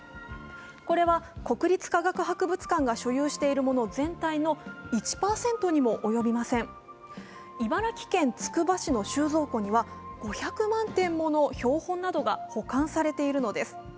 これは国立科学博物館が所有しているもの全体の１％にも及びません茨城県つくば市の収蔵庫には５００万個の標本などが保管されているのです。